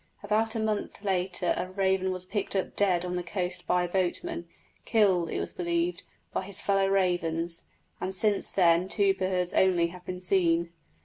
About a month later a raven was picked up dead on the coast by a boatman, killed, it was believed, by his fellow ravens, and since then two birds only have been seen.